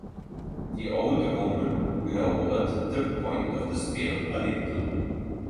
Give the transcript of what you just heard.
The old woman lowered the point of the spear a little.